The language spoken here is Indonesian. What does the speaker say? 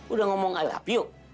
udah ngomong alap yuk